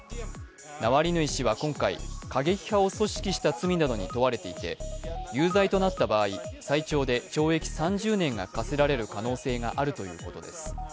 ナワリヌイ氏は今回、過激派を組織した罪などに問われていて有罪となった場合最長で懲役３０年が科せられる可能性があるということです。